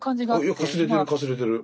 いやかすれてるかすれてる。